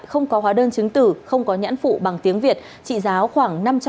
không có hóa đơn chứng tử không có nhãn phụ bằng tiếng việt trị giá khoảng năm trăm linh